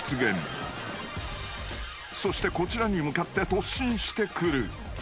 ［そしてこちらに向かって突進してくる］